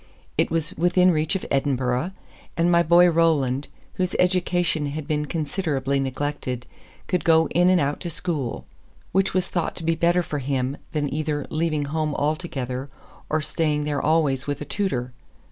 It was within reach of Edinburgh; and my boy Roland, whose education had been considerably neglected, could go in and out to school; which was thought to be better for him than either leaving home altogether or staying there always with a tutor.